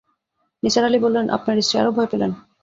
নিসার আলি বললেন, আপনার স্ত্রী আরো ভয় পেলেন।